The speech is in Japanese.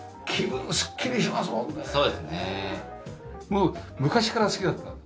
もう昔から好きだったの？